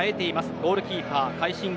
ゴールキーパー快進撃